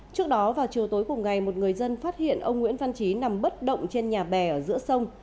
trước đó vào chiều tối cùng ngày một người dân phát hiện ông nguyễn văn trí nằm bất động trên nhà bè ở giữa sông